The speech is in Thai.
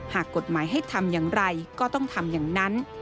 หากกฎหมายให้ทำอย่างไรก็ต้องทำอย่างนั้น